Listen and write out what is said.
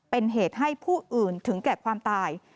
เป็นเหตุให้ผู้อื่นถึงแก่ความตาย